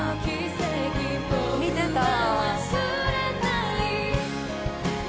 見てた。